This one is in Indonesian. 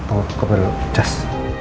oh kau perlu jas